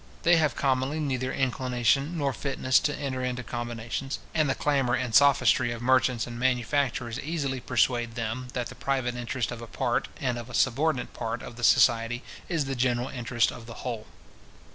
They have commonly neither inclination nor fitness to enter into combinations; and the clamour and sophistry of merchants and manufacturers easily persuade them, that the private interest of a part, and of a subordinate part, of the society, is the general interest of the whole.